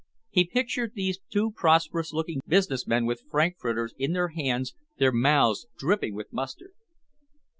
He pictured these two prosperous looking business men with frankfurters in their hands, their mouths dripping with mustard.